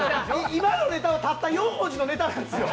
今のネタは、たった４文字のネタなんですよ。